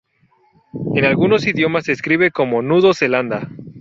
En algunos idiomas se describe como 'nudos Zelanda'.